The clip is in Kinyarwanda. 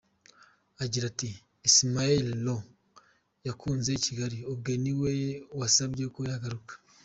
Agira ati “Ismael Lo yakunze Kigali, ubwe niwe wasabye ko yagaruka.